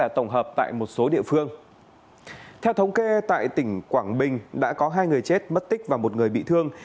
theo thống kê tại tỉnh quảng bình đã có hai người chết mất tích và một người bị thương